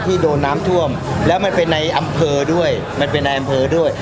โดนน้ำท่วมแล้วมันเป็นในอำเภอด้วยมันเป็นในอำเภอด้วย